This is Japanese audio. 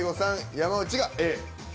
山内がＡ。